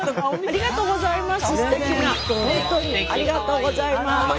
ありがとうございます。